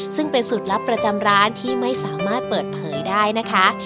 ซึ่งเป็นสูตรลับประจำร้านที่ไม่สามารถเปิดเผยได้นะคะ